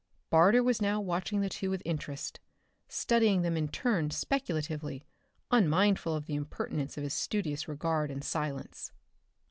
Barter was now watching the two with interest, studying them in turn speculatively, unmindful of the impertinence of his studious regard and silence.